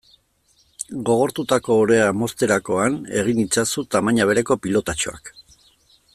Gogortutako orea mozterakoan egin itzazu tamaina bereko pilotatxoak.